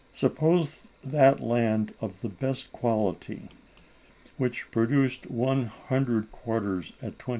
Suppose that land of the best quality, which produced one hundred quarters at 20_s.